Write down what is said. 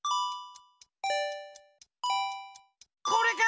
これか？